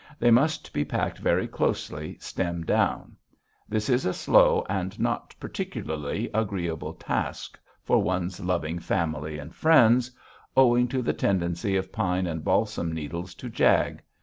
They must be packed very closely, stem down. This is a slow and not particularly agreeable task for one's loving family and friends, owing to the tendency of pine and balsam needles to jag.